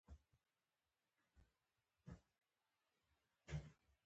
قید؛ د فعل له مفهوم سره بدلېدونکی دئ.